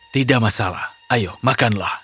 tidak masalah ayo makanlah